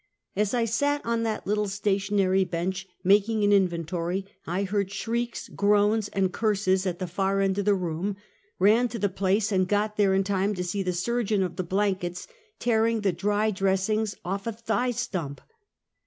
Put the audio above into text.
As I sat on that little stationary bench, making an in ventory, I heard shrieks, groans and curses, at the far end of the room; ran to the place, and got there in time to see the surgeon of the blankets tearing the dry dressings off a thigh stump!